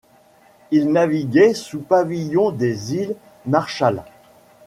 Il naviguait sous pavillon des îles Marshall.